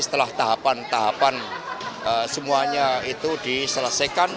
setelah tahapan tahapan semuanya itu diselesaikan